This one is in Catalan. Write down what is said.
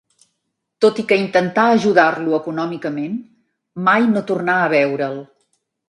Tot i que intentà ajudar-lo econòmicament, mai no tornà a veure'l.